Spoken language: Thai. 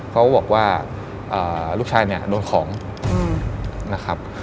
เขาบอกว่าลูกชายเนี่ยโดนของนะครับ